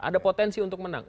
ada potensi untuk menang